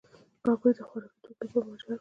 هغوی د خوراکي توکو لپاره مهاجرت کاوه.